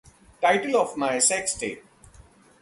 Title of my sex tape.